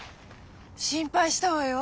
心配したわよ。